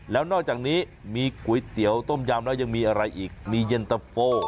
แล้วนอกจากนี้มีก๋วยเตี๋ยวต้มยำแล้วยังมีอะไรอีกมีเย็นตะโฟ